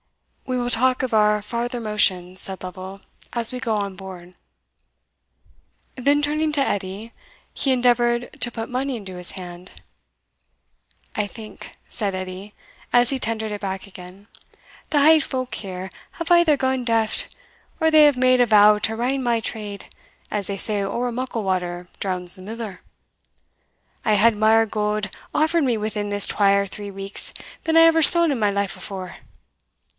"We will talk of our farther motions," said Lovel, "as we go on board." Then turning to Edie, he endeavoured to put money into his hand. "I think," said Edie, as he tendered it back again, "the hale folk here have either gane daft, or they hae made a vow to rain my trade, as they say ower muckle water drowns the miller. I hae had mair gowd offered me within this twa or three weeks than I ever saw in my life afore.